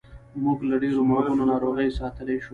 موږ له ډېرو مرګونو ناروغیو ساتلی شو.